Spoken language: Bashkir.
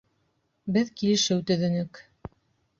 Беҙ килешеү төҙөнөк.